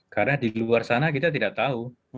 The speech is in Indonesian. karena di luar sana kita tidak tahu